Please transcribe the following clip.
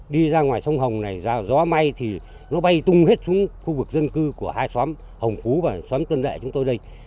đi ra ngoài sông hồng này ra gió may thì nó bay tung hết xuống khu vực dân cư của hai xóm hồng phú và xóm tân đệ chúng tôi đây